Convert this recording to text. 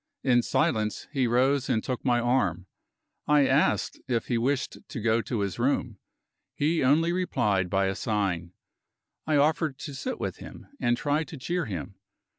In silence, he rose and took my arm. I asked if he wished to go to his room. He only replied by a sign. I offered to sit with him, and try to cheer him.